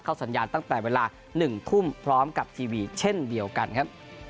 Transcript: สัญญาณตั้งแต่เวลา๑ทุ่มพร้อมกับทีวีเช่นเดียวกันครับ